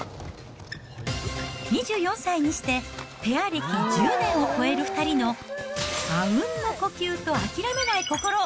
２４歳にして、ペア歴１０年を超える２人のあうんの呼吸と諦めない心。